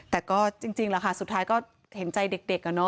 แต่ก็จริงแหละค่ะสุดท้ายก็เห็นใจเด็กอะเนาะ